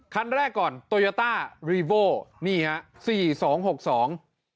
คันแรกก่อนโตยาตานี่ฮะสี่สองหกสอง